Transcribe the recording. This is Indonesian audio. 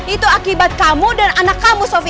itu akibat kamu dan anak kamu sofi